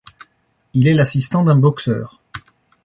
Il est l'assistant d'un boxeur.